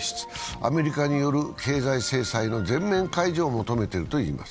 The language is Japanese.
アメリカによる経済制裁の全面解除を求めているといいます。